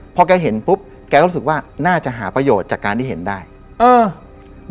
พอแกเห็นปุ๊บแกก็รู้สึกว่าน่าจะหาประโยชน์จากการที่เห็นได้เออ